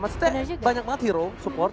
maksudnya banyak banget hero support